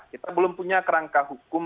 kita belum punya kerangka hukum